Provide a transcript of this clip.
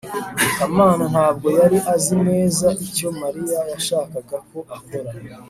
kamana ntabwo yari azi neza icyo mariya yashakaga ko akora